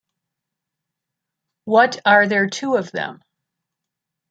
What are there two of them?